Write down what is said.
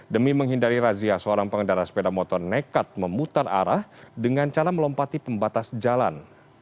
demi menghindari razia seorang pengendara sepeda motor nekat memutar arah dengan cara melompati pembatas jalan